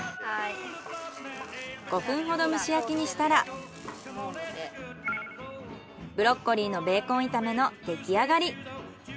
５分ほど蒸し焼きにしたらブロッコリーのベーコン炒めのできあがり。